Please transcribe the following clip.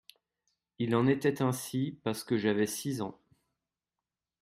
Il en était ainsi parce que j'avais six ans.